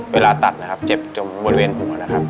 เวลาตัดนะครับเจ็บจนบริเวณหัวนะครับ